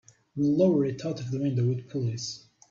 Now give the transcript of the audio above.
We'll lower it out of the window with pulleys.